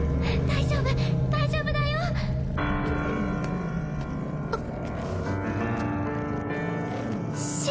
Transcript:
大丈夫大丈夫だよあっ！